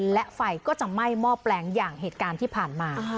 และไฟก็จะไหม้หม้อแปลงอย่างเหตุการณ์ที่ผ่านมา